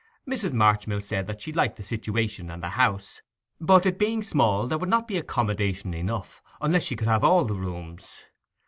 Mrs. Marchmill said that she liked the situation and the house; but, it being small, there would not be accommodation enough, unless she could have all the rooms.